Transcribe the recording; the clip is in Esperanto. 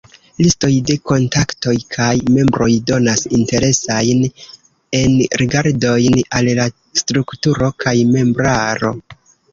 Listoj de kontaktoj kaj membroj donas interesajn enrigardojn al la strukturo kaj membraro.